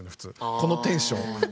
このテンション。